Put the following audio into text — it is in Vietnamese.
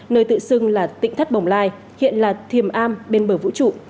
nơi tự xưng là tỉnh thất bồng lai hiện là thiềm am bên bờ vũ trụ